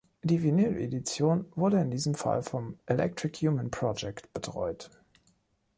Die Vinyledition wurde in diesem Fall vom Electric Human Project betreut.